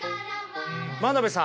真鍋さん